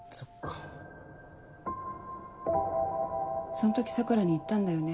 そん時桜に言ったんだよね。